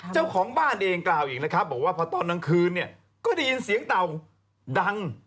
เจ้าของบ้านเองกล่าวอีกนะครับบอกว่าพอตอนกลางคืนเนี่ยก็ได้ยินเสียงเต่าดัง